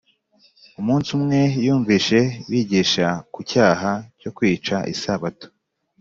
Umunsi umwe yumvise bigisha ku cyaha cyo kwica isabato